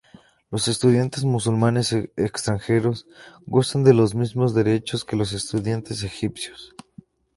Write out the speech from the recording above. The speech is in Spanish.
Los estudiantes musulmanes extranjeros gozan de los mismos derechos que los estudiantes egipcios.